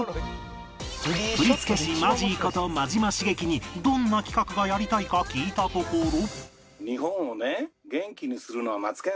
振付師マジーこと真島茂樹にどんな企画がやりたいか聞いたところ